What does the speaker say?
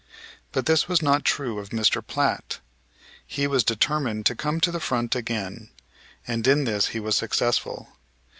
But this was not true of Mr. Platt. He was determined to come to the front again, and in this he was successful.